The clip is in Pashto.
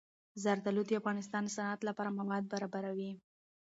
زردالو د افغانستان د صنعت لپاره مواد برابروي.